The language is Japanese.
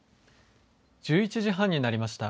１１時半になりました。